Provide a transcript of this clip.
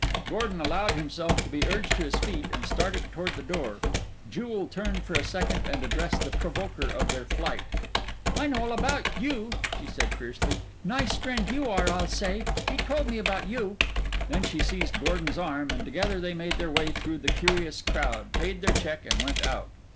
Gordon allowed himself to be urged to his feet and started toward the door. Jewel turned for a second and addressed the provoker of their flight. "I know all about you!" she said fiercely. "Nice friend, you are, I'll say. He told me about you." Then she seized Gordon's arm, and together they made their way through the curious crowd, paid their check, and went out.